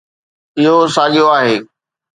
اهو ساڳيو آهي.